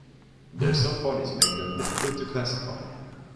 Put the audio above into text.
Their soft bodies make them difficult to classify.